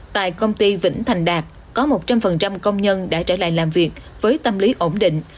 tại công ty vĩnh thành đạt có một trăm linh công nhân đã trở lại làm việc với tâm lý ổn định